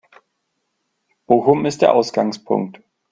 Bochum ist der Ausgangspunkt.